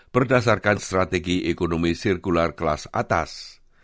berdasarkan strategi ekonomi sirkular kelas atas